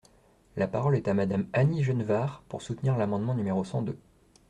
La parole est à Madame Annie Genevard, pour soutenir l’amendement numéro cent deux.